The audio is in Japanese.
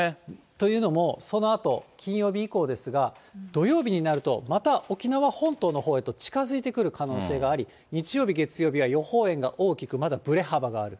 というのも、そのあと金曜日以降ですが、土曜日になると、また沖縄本島のほうへと近づいてくる可能性があり、日曜日、月曜日は予報円が大きく、まだぶれ幅がある。